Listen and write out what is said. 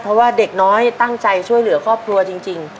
เพราะว่าเด็กน้อยตั้งใจช่วยเหลือครอบครัวจริง